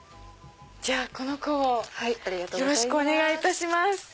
じゃあこの子をよろしくお願いいたします。